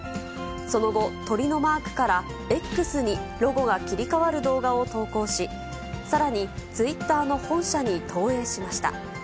その後、鳥のマークからＸにロゴが切り替わる動画を投稿し、さらにツイッターの本社に投影しました。